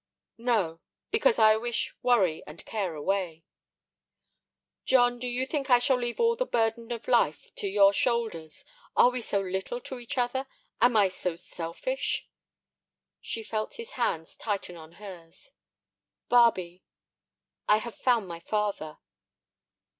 "No. Because I wish worry and care away." "John, do you think I shall leave all the burden of life to your shoulders? Are we so little to each other? Am I so selfish?" She felt his hands tighten on hers. "Barbe, I have found my father."